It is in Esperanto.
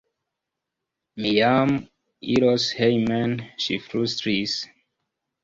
Mi jam iros hejmen, ŝi flustris.